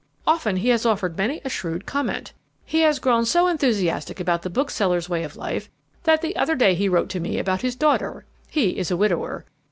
Often he has offered many a shrewd comment. He has grown so enthusiastic about the bookseller's way of life that the other day he wrote to me about his daughter (he is a widower).